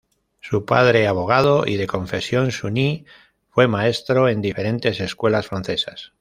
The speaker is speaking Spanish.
Su padre, abogado y de confesión sunní fue maestro en diferentes escuelas francesas.